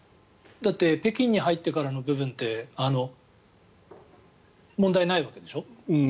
だって北京に入ってからの部分って問題ないわけでしょ。